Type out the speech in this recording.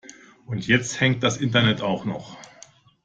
Und jetzt hängt das Internet auch noch.